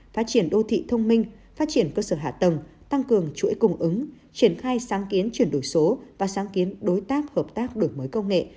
phát triển đô thị thông minh phát triển cơ sở hạ tầng tăng cường chuỗi cung ứng triển khai sáng kiến chuyển đổi số và sáng kiến đối tác hợp tác đổi mới công nghệ